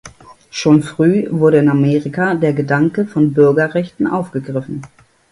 Schon früh wurde in Amerika der Gedanke von Bürgerrechten aufgegriffen.